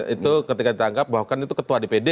itu ketika ditangkap bahwa kan itu ketua dpd